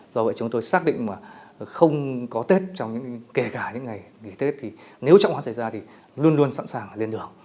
do vậy chúng tôi xác định mà không có tết kể cả những ngày nghỉ tết thì nếu trọng hóa xảy ra thì luôn luôn sẵn sàng lên đường